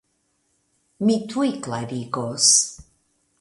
Mi tuj klarigos.